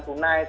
nah ini menarik